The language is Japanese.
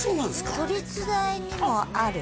都立大にもある